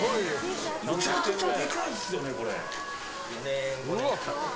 めちゃくちゃでかいですよね。